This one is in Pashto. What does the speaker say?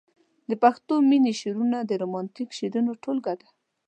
د پښتو مينې شعرونه د رومانتيک شعرونو ټولګه ده.